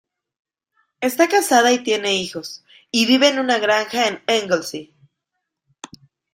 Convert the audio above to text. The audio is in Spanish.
Está casada y tiene hijos, y vive en una granja en Anglesey.